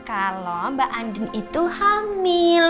kalau mbak andin itu hamil